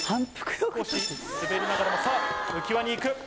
少し滑りながらもさぁ浮輪に行く！